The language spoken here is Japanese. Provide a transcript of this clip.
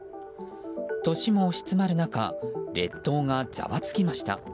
年も押し詰まる中列島がざわつきました。